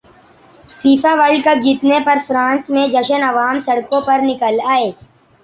FIFA World cup جیتنے پر France میں جشنعوام سڑکوں پر نکل ائے